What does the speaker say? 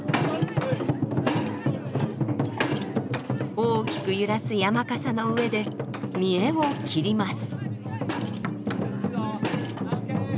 大きく揺らす山笠の上で見得を切ります。